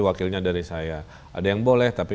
wakilnya dari saya ada yang boleh tapi